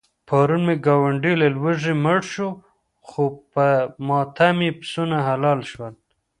پرون مې ګاونډی له لوږې مړ شو، خو په ماتم یې پسونه حلال شول.